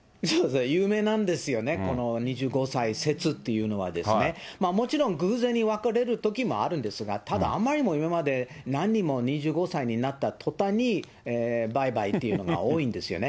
有名なんですよね、この２５歳説というのはですね。もちろん偶然に別れるときもあるんですが、ただあまりにも今まで何人も２５歳になったとたんにバイバイっていうのが多いんですよね。